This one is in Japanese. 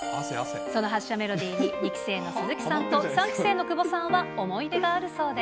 その発車メロディに２期生の鈴木さんと３期生の久保さんは思い出があるそうで。